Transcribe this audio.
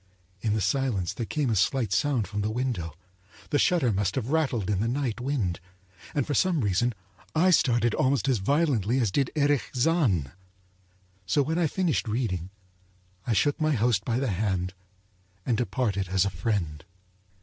In the silence there came a slight sound from the window — the shutter must have rattled in the night wind, and for some reason I started almost as violently as did Erich Zann. So when I had finished reading, I shook my host by the hand, and departed as a friend.